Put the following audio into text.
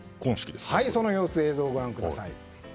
その様子を映像でご覧ください。